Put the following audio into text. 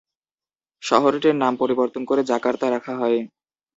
শহরটির নাম পরিবর্তন করে জাকার্তা রাখা হয়।